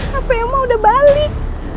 hp oma udah balik